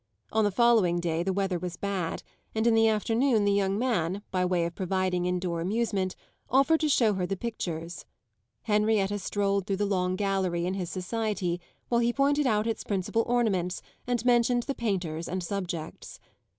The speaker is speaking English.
On the following day the weather was bad, and in the afternoon the young man, by way of providing indoor amusement, offered to show her the pictures. Henrietta strolled through the long gallery in his society, while he pointed out its principal ornaments and mentioned the painters and subjects.